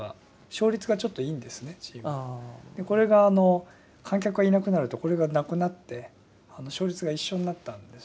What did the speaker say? これがあの観客がいなくなるとこれがなくなって勝率が一緒になったんですよね。